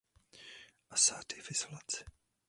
Asád je v izolaci.